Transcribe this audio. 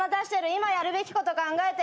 今やるべきこと考えて。